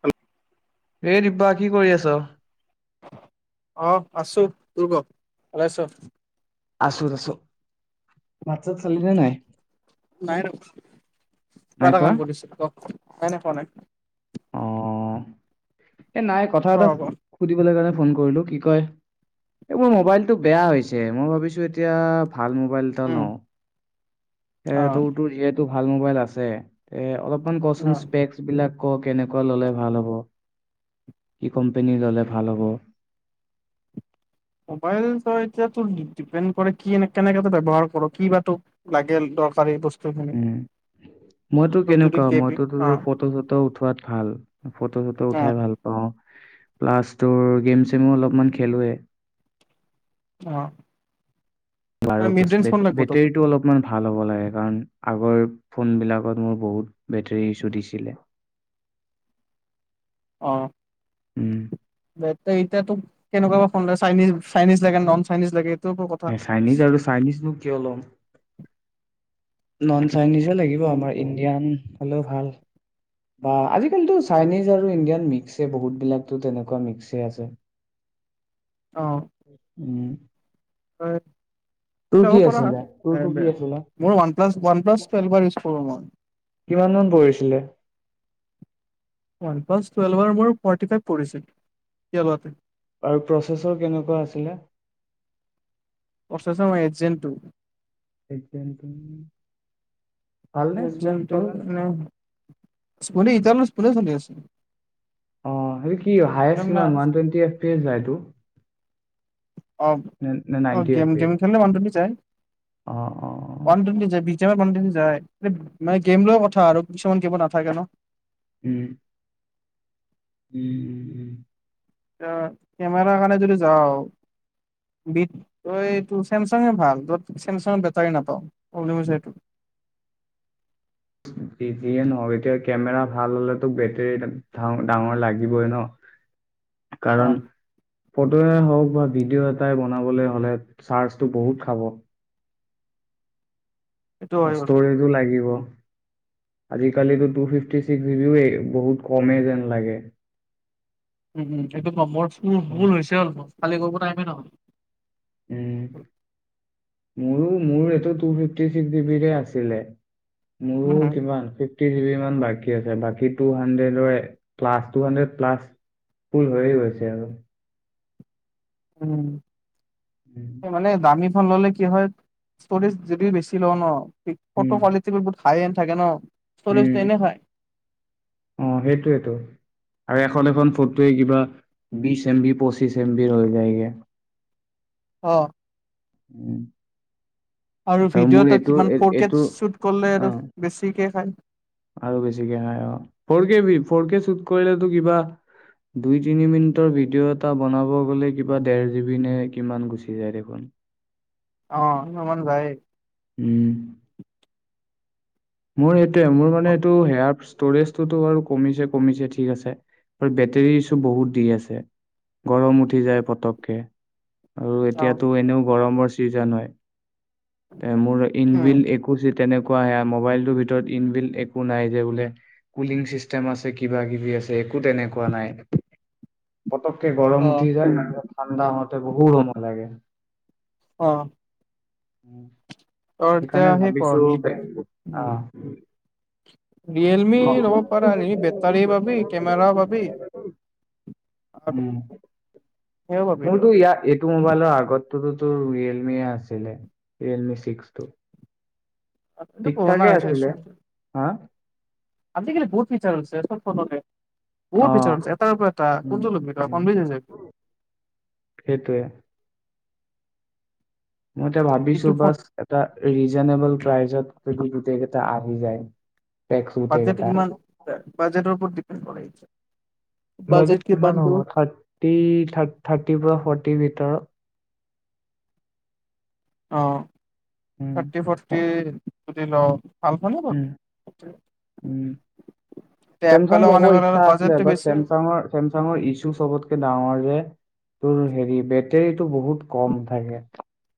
হেল এই! ! ! ! ! ! ! ! ! ! কি কৰি আছ? অহ আছো তোৰ ক, ভালে আছ? আছো, আছো। ভাত চাত চালি নে নাই নাই ৰ, কিবা নাই এটা খোৱা কাম কৰিছো ক। হয়নে খোৱা নাই। অ'। এ নাই কথা এটা ক সুধিবলে কাণে ফোন কইলো কি কয় এই মবাইলটো বেয়া হৈছে। মই ভাবিছো এতিয়া ভাল মোবাইল এটা উম লওঁ। এ অ তওটো যিয়েটো ভাল মোবাইল আছে। এ অলপ ফোন কচোন অ স্পেক বিলাক। আকৌ কেনেকুৱা ল'লে ভাল হ'ব, কি কম্পেনী ল'লে ভাল হ'ব? মোবাইল তই এতিয়া তোৰ ডি-ডিপেন কৰে কিয়েনে-কেনেকে তই ব্যৱহাৰ কৰ', কি বা তোক লাগে দৰকাৰী বচ উম মইতো যদি কেনেকুৱা কেবি মইতো অ তোৰ ফটো-চটো উঠোৱাত ভাল। ফটো-চটো অ উঠাই ভাল পাওঁ। প্লাছ তোৰ গেম-চেমো অলপমান খেলোৱে। অ'। বাৰু মিড প্লাছ ৰেঞ্জ ফোন লাগব তোক বে-বেটেৰীটো অলপমান ভাল হ'ব লা এ কাৱণ আগৰ ফোনবিলাকত মোৰ বহুত বেটৰী ইছু দিছিলে। অ'। উম। বেটাই, এতিয়া তোক কেনেকুৱা বা ফোন লাগে চাইনিজ-চাইনিজ লাগে, নন চাইনিজ লাগে। এইটোৰ ওপৰত কথা এ চাইনিজ আৰু চাইনিজনো কিয় লও। [inaudible] চাইনিজে লাগিব, উম আমাৰ ইণ্ডিয়ান হলেও ভাল। অ, আজিকালিতো চাইনিজ আৰু ইণ্ডিয়ান মিক্সএ বহুতবিলাকতো তেনেকুৱা মিক্সএ আছে। উম। হয়। এই তোৰ ল'ব কি পাৰা আছিলে তোৰতো কি [unintelligible] আছিলে মোৰ OnePlus, one plus [unintelligible] use কৰোঁ মই। কিমান মান পৰিছিলে? ওৱান প্লাছ [unintelligible] মোৰ ফৰ্টি ফাইভ পৰিছিল, [unintelligible] আৰু প্ৰচেছৰ কেনেকুৱা আছিলে? [unintelligible] ময়। [unintelligible] [unintelligible] স্মুথ চলে নে [unintelligible] [unintelligible] চলি আছে। অ' সেইটো কি হায়েষ্ট প্ৰব্লেম কিমান? নাই ওৱান টুৱেনটি এফপি এ যাইটো? অ' অ', গেম গেম খেলিলে ওৱান টুৱেন্টি যাই। অ' অ' অ'। [unintelligible] যায়, মানে গেম লৈ কথা আৰু কিছুমান গেমত নাথাকে ন? উম। উম উম উম। এ কেমেৰা কাৰণে যদি যাওঁ, বি এইটো চেমচাঙ ভাল ত'ত চেমচাঙৰ বেটাৰী নাপাওঁ, প্ৰব্লেম হৈছে এইটো। বিজিয়ে নহ এতিয়া কেমেৰা ভাল হলেতো বেটেৰী ডাঙৰ লাগিবই ন। অ' কাৰণ ফটোয়ে হওঁক বা ভিডিঅ' এটাই বনাবলৈ হলে চাৰ্জটো বহুত খাব। সেইটো হয় বাৰু ষ্টৰেযো লাগিব। আজিকালি টু ফিফটি চিক্স জিবিও এই বহুত কমেই যেন লাগে। উম উম, এটো [unintelligible] মোৰ ভুল হৈছে। [unintelligible] কালি গ'ব টাইমেই নহলে। উম। মোৰো মোৰ এইটো টু ফিফটি ছিক্স জিবিৰে আছিলে। মোৰো উম, কিমান থ্ৰী জিবিমান বাকি আছে বাকী টু হাড্ৰেডৰ plus two hundred plus full হৈয়ে গৈছে আৰু। উম। উম মানে দামী খন ল'লে কি হয় ষ্টৰেজ যদিও বেছি লওঁ ন ফটো উম কোৱালিটি বহুত হাই এন থাকে ন? ষ্টৰেজটো এনে উম, খায় অ' সেইটোয়েটো। আৰু এখন এখন ফটোৱে কিবা বিছ এম বি পঁচিছ এম বিৰ হৈ যায়গে। অ'। উম আৰু মোৰ ভিডিঅ' এটা এইটো কিমান এই- ফৰ কেট এইটো শ্বুট কৰিলে অ আৰু বেছিকে খাই আৰু বেছিকে খাই অ four K B four K shoot কৰিলে কিবা দুই তিনি মিনিটৰ ভিডিঅ' এটা বনাব গ'লে কিবা ডেৰ জিবি নে কিমান গুচি যায় দেখোন অ সিমান মান যায় উম মোৰ এ মোৰ মানে এইটো হেয়াৰ ষ্ট'ৰেজটো আৰু কমিছে কমিছে ঠিক আছে আৰু বেটেৰী ইছু বহুত দি আছে। গৰম উঠি যায় পতককে। আৰু অ এতিয়াতো এনেও গৰমৰ জান হয় এ মোৰ উম ইনভিল একৈছ ইট তেনেকুৱা সেয়া মোবাইল ভিতৰত ইনবিল্ট একো নাই যে বোলে কুলিং চিষ্টেম আছে কিবা কিবি আছে একো তেনেকুৱা নাই পতককে অ গৰম উঠি যায় ঠাণ্ডা হওঁতে বহুত সময় লাগে অ উ [unintelligible] ত এতিয়া সেইকাৰণে সেই কৰ ভাবিছো অ ৰিয়েলমি ল'ব পাৰা ৰিয়েলমি বেটাৰী পাবি কেমেৰা পাবি [inaudible] আৰু উম সেয়াও পাবি ত। মোৰতো ইয়াৰ এইটো মোবাইলৰ আগত তৰটো ৰিয়েলমিয়ে আছিলে ৰিয়েলমি ছিক্স টু এইটো ঠিক পুৰণা ঠাকে আছিলে হৈছেচোন হা আজিকালি বহুত চতফতে বহুত অ ফিট্চৰ আছে এটাৰ পৰা এটা উম কোন টো লবি তই উম কনফিউজ হয় জাবি সেইটোৱে মই এতিয়া ভাবিছো ইটো ফোন বাচ এটা ৰিজনেবল প্ৰাইজত যদি গোটেই কেইটা আহি যায় টেক্স গোটেই বাজেট কেইটা কিমান বাজেটৰ ওপৰত ডিপেণ্ড কৰে বাজেট কিমান হ'ব থাৰ্টি থাৰ্টিৰ পৰা ফৰ্টি ভ ভিতৰত অ উম থাৰ্টি ফৰ্টি তুতি ল ভাল ভালে উম পাবি উম এতিয়া চেমচাং এপেলৰ লব মানে ইচ্ছা আছিলে বাজেটটো বাট বেছি চেমচাঙৰ চেমচাঙৰ ইছ্যু চবতকে ডাঙৰ যে তোৰ হেৰি বেটেৰীটো বহুত কম থাকে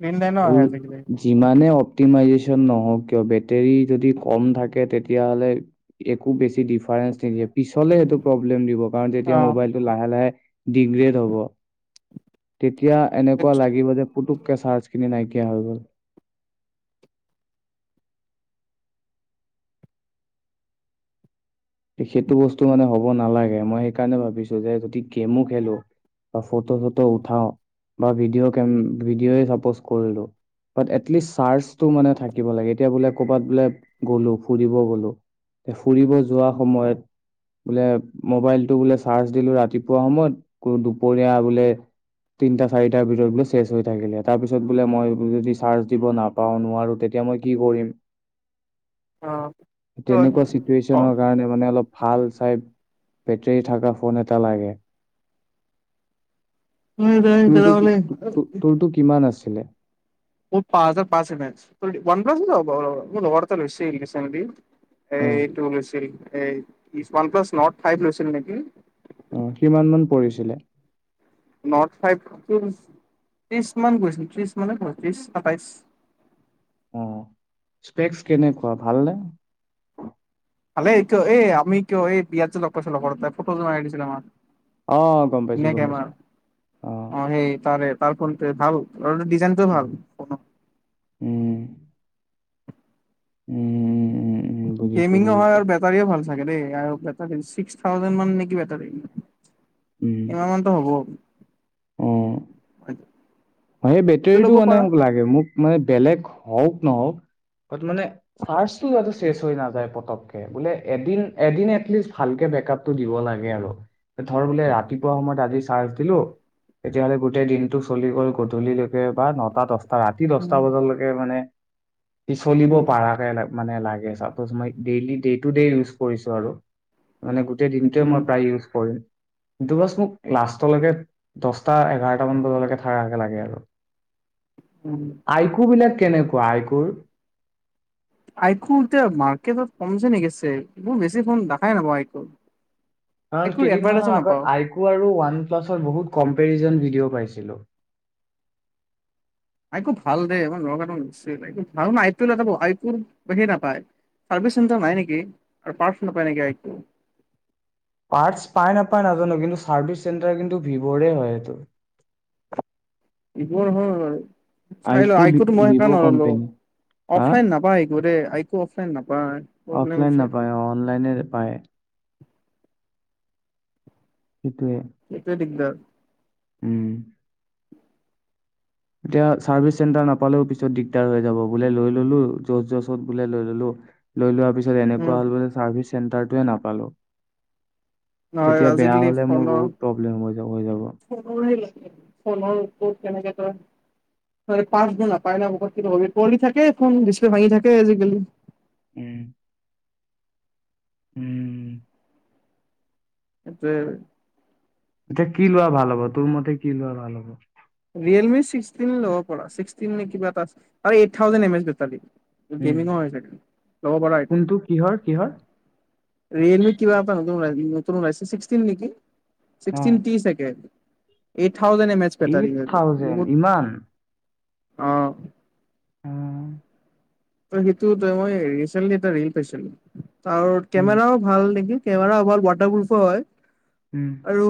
গ্ৰীণ লাইনো আৰু আহে আজিকালি। যিমান অতিম নক কিয় বেটেৰী যদি কম থাকে তেতিয়া হলে একো বেছি ডিফাৰেঞ্চ নিদিয়ে পিছলে সেইটো প্ৰব্লেম দিব কাৰণ যেতিয়া অ', মোবাইলটো লাহে লাহে ডিগ্ৰেড হ'ব। এতিয়া এনেকুৱা সেইটো লাগিব যে পুটোককে চাৰ্জ খিনি নাইকিয়া হৈ গ'ল। সেইটো বস্তু মানে হ'ব নালাগে। মই সেইকাৰণে ভাবিছোঁ যে, যদি গেমো খেলো বা ফটো-চ'টো উঠাও বা ভিডিঅ' কেম, ভিডিঅ'এ চাপ'জ কৰিলোঁ, বাট এটলিষ্ট চাৰ্জটো মানে থাকিব লাগে। এতিয়া বোলে ক'বাত বোলে গ'লো, ফুৰিব গ'লো, ফুৰিব যোৱা সময়ত বোলে, মবাইলটো বোলে চাৰ্জ দিলো ৰাতিপুৱা সময়ত, দু-দুপৰীয়া বোলে তিনটা, চাৰিটাৰ ভিতৰত বোলে চেচ হৈ থাকিলে। তাৰ পিছত বোলে মই য-যদি চাৰ্জ দিব নাপাওঁ, নোৱাৰোঁ, তেতিয়া মই কি কৰিম? অ', তেনেকুৱা অ'। চিটুৱেচনৰ মানে অলপ ভাল চাই, বেটৰী থকা ফোন এটা লাগে। নাই নাই তোৰটো কি, তেনেহ'লে তোৰটো কিমান আছিলে? মোৰ পাঁচ হাজাৰ পাঁচ [unintelligible] তোৰ ওৱান প্লাছএ ল'ব পাৰ', মোৰ লগৰ এটাটো লৈছেই [unintelligible] চেভেণ্টি। অ এইটো লৈছিল এই, is OnePlus Nord five লৈছিল নেকি? অ, কিমান মান পৰিছিলে? নৰ্ড ফাইভটো, ত্ৰিশ মান গৈছিল। ত্ৰিশ মানে বত্ৰিশ, সাতাইছ। অ', স্পেক্স কেনেকুৱা, ভালনে? ভালেই কিয়, এই আমি কিয়, এই বিয়াত যে লগ পাইছিলোঁ, লগৰ দুটাই ফটো যে মাৰি দিছিলে আমাক! অ', গ'ম পাইছোঁ, ধুনীয়া গ'ম কেমেৰা পাইছোঁ। অহ। অ সেই [unintelligible] আৰু তেওঁৰ ডিজাইনটো ভাল ফোনৰ। উম উম। উম উম বুজিছো গেমিংও হয় বুজিছো আৰু বেটাৰীও ভাল। থাকে দেই আৰু বেটাৰী চিক্স থাউজেণ্ড মান নেকি, বেটাৰী। ইমান মানতো হ'ব! উ। সেই সেইটো ল'ব বেটৰীটো মানে পাৰা মোক লাগে। মোক মানে বেলেগ হওঁক, নহওঁক। মানে চাৰ্জটো যাতে চেচ হৈ নাযায় পতককে। বোলে এদিন, এদিন এটলিষ্ট ভালকে বেকআপটো দিব লাগে আৰু। এ, ধৰ বোলে ৰাতিপুৱা সময়ত আজি চাৰ্জ দিলোঁ, তেতিয়াহ'লে গোটেই দিনটো চলি গ'ল গধূলিলৈকে বা নটা দছ ৰাতি দহটা উম, বজালৈকে মানে সি চলিব উম, পাৰাকে ল, মানে লাগে সেই [unintelligible] মাই daily, day to day use কৰিছোঁ আৰু মান গোটেই দিনটোৱে উম, মই প্ৰায় ইউজ কৰিম। কিন্তু বছ মোক লাষ্টলৈকে দচটা, এঘাৰটা মান বজালকে থাকা কে লাগে আৰু উম। আই কু বিলাক কেনেকুৱা আই কুৰ? আইকু এতিয়া মাৰ্কেটত কমিছে নেকি চেল! এইবোৰ বেছি ফোন দেখাই নাপাওঁ আইকুৰ। কাৰণ আইকুৰ কেইদিনৰ এডভাৰটাইজো আগত নাপাওঁ আইকু আৰু ওৱান প্লাছৰ বহুত কম্পেৰিজন ভিডিঅ' পাইছিলো। আইকু ভাল দে। ভাল মানে আইকুৰ সেই নাপায় চাৰ্ভিচ চেণ্টাৰ নাই নেকি আৰু পাৰ্টছ নাপায় নেকি আইকুৰ। পাৰ্টছ পাই নাপায় নাজানো কিন্তু চাৰ্ভিচ চেণ্টাৰ কিন্ত ভিভ'ৰে হয় সেইটো। ভিভ'ৰ হয় চাই লো, আইকু ভি- আইকুটো মই ভিভ' সেইকাৰণে নল'লো। কোম্পেনী। হা? অফলাইন নাপাই আইকু দ আইকু অফলাইন অফলাইন নাপায়। নাপায় অ' অনলাইনে পায়। সিটোৱে সেইটোৱে দিগদাৰ উম এতিয়া চাৰ্ভিচ চেণ্টাৰ নাপালেও পিছত দিগদাৰ হৈ যাব, বোলে লৈ ললো জোচ জোচত বোলে লৈ ললো লৈ লোৱাৰ পিছত এনেকুৱা উম হ'ল বোলে চাৰ্ভিছ চেণ্টাৰটোৱে নাপালোঁ নহয় তেতিয়া বেয়া আজিকালি হ'লে মোৰ ফোনৰ বহুত প্ৰব্লেম হৈ যাব হৈ যাব। ফো লাগিল ফোনৰ ক'ত কেনেকৈ তই তাৰ পাৰ্টছবোৰ নাপায় ন বহুত পৰি থাকে ফোন ডিছপ্লে ভাঙি থাকে আজিকালি উম উম এটোয়ে এতিয়া কি লোৱা ভাল হ'ব তোৰ মতে কি লোৱা ভাল হ'ব? ৰিয়েলমি ছিক্সটিন ল'ব পাৰা। ছিক্স টিন নে কিবা এটা আছে আৰু eight thousand M S battery um gaming ও হয় চাগে। ল'ব পাৰা সেইটো। কোনটো কিহৰ কিহৰ ৰিয়েলমি কিবা এটা নতুন [unintelligible] ছিক্সটিন নিকি? অ ছিক্সটিন টি চাগে। Eight thousand M A eight thousand ইমান? অ উম ত সেইটো এটা মই ৰিচে্ন্টলি এটা ৰীল পাইছিলো। তাৰ উম কেমেৰাও ভাল নেকি! কেমেৰা ৱাল ৱাটাৰপ্ৰুফো হয়। উম আৰু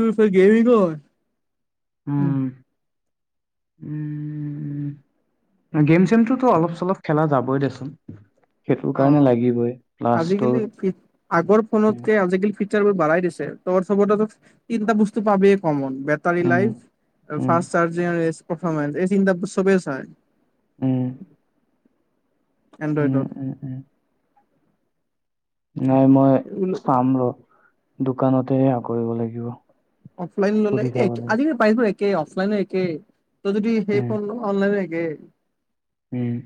তোৰ ফ গেমি ক [unintelligible] উম উম, গেম-চেমটোতো অলপ-চলপ খেলা যাবই দেচোন। সেইটোৰ কাৰণে অঁ', লাগিবই প্লাছ তোৰ আজিকালি ফিট, আগৰ উম ফোনতকৈ আজিকালি ফিট বোৰ বাঢ়াই দিছে, তবৰ-চবতেটো, এই দুটা বস্তু পাবিয়ে কমন। বেটাৰী উম লাইফ, আৰু উম ফাষ্ট চাৰ্জিং আৰু এচ্ পাৰফৰ্মেঞ্চ, এই তিনটা চবে চাই। উম। উম, এনড্ৰইডত উম, উম। নাই মই, চাম ৰ। দোকানতে সেয়া কৰিব লাগিব। অফলাইন ল'লে সুধি চাব এক লাগিব আজিৰে পাৰিব এক কে অফলাইন একে। যদি সেই উম ফোন অনলাইন গে উম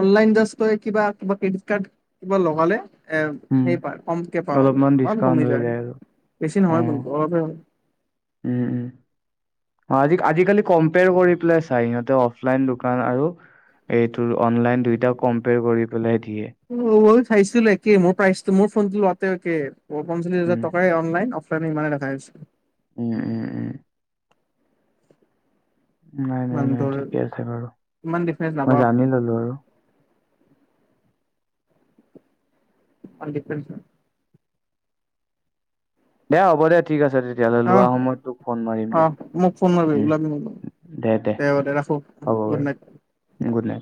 অনলাইন জাষ্ট তই কিবা-কিবা ক্ৰেডিট কাৰ্ড কিবা লগালে এ, উম সেই পায় কমকে পাওঁ, অলপমান ডিচকাউন্ট কমি হৈ যায়, আৰু বেছি অ নহয় কিন্তু অলপহে উম, উম। অ' আজি-আজিকালি কম্পেয়াৰ কৰি পেলাই চাই সিঁহতে, অফলাইন দোকান আৰু এইটো অনলাইন দুয়োটা কম্পয়াৰ কৰি পেলায় দি [unintelligible] চাইছিলো একে, মোৰ প্ৰাইচটো মোৰ ফোনতটো লোৱাতেও একে। প-পঞ্চল্লিছ হাজাৰ উম টকাই অনলাইন অফ কাৰণে ইমানেই ৰখা হৈছে। উম উম উম। নাই, নাই, নাই, মানুহটোৰ ঠিকে আছে বাৰু, ইমান ডিফাৰেঞ্চ মই নাপাওঁ জানি ললো আৰু। [unintelligible] দে হ'ব দে, ঠিক আছে তেত অ', অ', মোক ফোন মাৰিবি উম। ওলাবি মোৰ লগত। দে হব দে ৰাখোঁ, হ'ব বাৰু গুড নাইট। Good night.